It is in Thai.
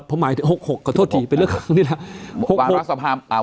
ผมหมายถึง๖๖ขอโทษทีเป็นเรื่องของนี่แหละ